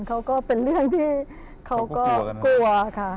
เขาก็เป็นเรื่องที่เขาก็กลัวค่ะ